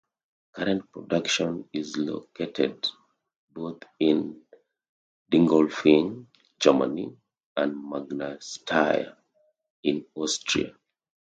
Current production is located both in Dingolfing, Germany; and Magna Steyr in Austria.